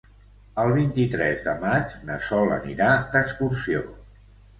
El vint-i-tres de maig na Sol anirà d'excursió.